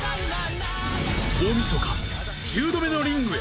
大みそか、１０度目のリングへ。